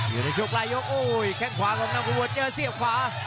อยู่ในช่วงปลายยกโอ้ยแข้งขวาของนามอุบลเจอเสียบขวา